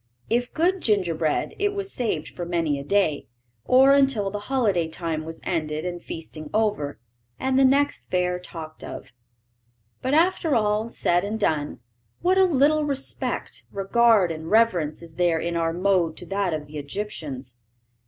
If good gingerbread, it was saved for many a day, or until the holiday time was ended and feasting over, and the next fair talked of. But, after all "said and done," what a little respect, regard, and reverence is there in our mode to that of the Egyptians!